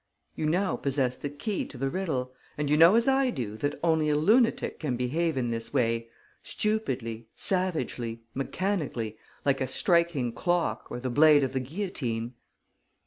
You now possess the key to the riddle; and you know as I do that only a lunatic can behave in this way, stupidly, savagely, mechanically, like a striking clock or the blade of the guillotine...."